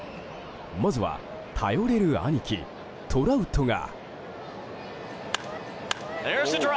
まずは頼れる兄貴、トラウトが。